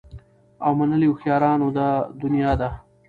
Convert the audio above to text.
او منلي هوښیارانو د دنیا دي